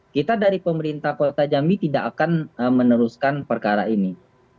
kita dari pemerintah polda jambi tidak akan menerima penyelidikan